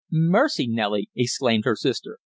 "Mercy, Nellie!" exclaimed her sister.